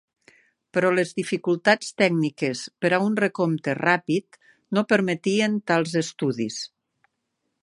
Però les dificultats tècniques per a un recompte ràpid no permetien tals estudis.